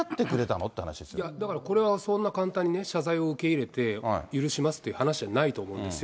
だからこれはそんな簡単にね、謝罪を受け入れて、許しますっていう話じゃないと思うんですよ。